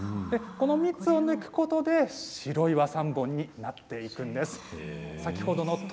この蜜を抜くことで白い和三盆になっていくんです。